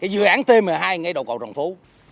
dự án t một mươi hai ngay đầu cầu trồng phố